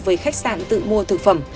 với khách sạn tự mua thực phẩm